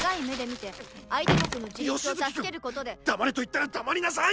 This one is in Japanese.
黙れといったら黙りなさい！